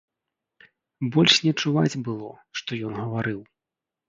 Больш не чуваць было, што ён гаварыў.